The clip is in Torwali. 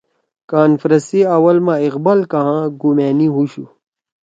کانفرنس سی اول ما اقبال کآں گُمأنی ہُوشُو